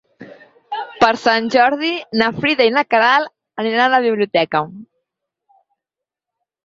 Per Sant Jordi na Frida i na Queralt aniran a la biblioteca.